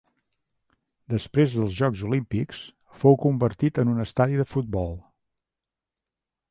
Després dels Jocs Olímpics, fou convertit en un estadi de futbol.